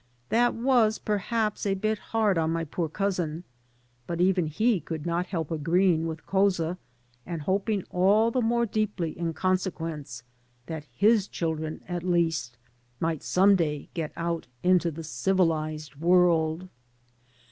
That was perhaps a bit hard on my poor cousin, but even he could not help agreeing with Couza and hoping all the more deeply, in consequence, that his children at least might some day get out into the civilized world.